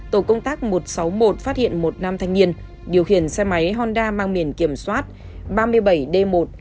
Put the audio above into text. tổ công tác một trăm sáu mươi một phát hiện một nam thanh niên điều khiển xe máy honda mang miền kiểm soát ba mươi bảy d một tám mươi một nghìn năm mươi